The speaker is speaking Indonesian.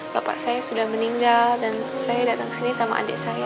bapak saya sudah meninggal dan saya datang ke sini sama adik saya